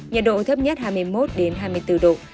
nhiệt độ thấp nhất hai mươi một hai mươi bốn độ